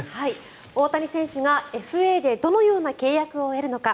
大谷選手がＦＡでどのような契約を得るのか。